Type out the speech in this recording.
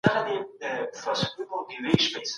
ژبه هډوکی نلري.